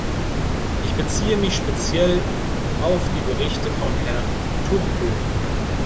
Ich beziehe mich speziell auf die Berichte von Herrn Turco.